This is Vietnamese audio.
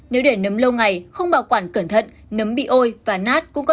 nếu để nấm lâu ngày không bảo quản cẩn thận nấm bị ôi và nát cũng có thể chuyển thành nấm độc